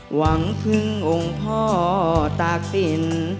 หวังพึ่งองค์พ่อตากสิน